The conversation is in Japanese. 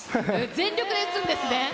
全力で打つんですね。